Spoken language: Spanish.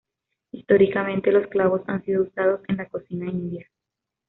Históricamente los clavos han sido usados en la cocina india.